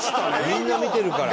みんな見てるから。